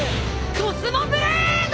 コスモブレード！